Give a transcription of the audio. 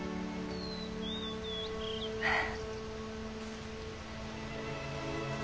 はあ。